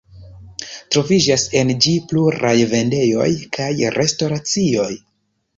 Troviĝas en ĝi pluraj vendejoj kaj restoracioj.